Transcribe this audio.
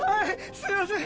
すいません